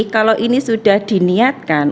kalau ini sudah diniatkan